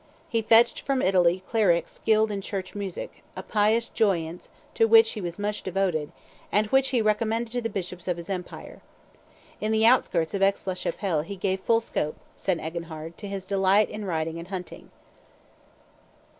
He fetched from Italy clerics skilled in church music, a pious joyance to which he was much devoted, and which he recommended to the bishops of his empire. In the outskirts of Aix la Chapelle "he gave full scope," said Eginhard, "to his delight in riding and hunting.